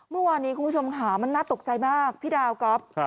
เมื่อวานนี้คุณผู้ชมค่ะมันน่าตกใจมากพี่ดาวก๊อฟ